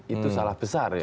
itu salah besar ya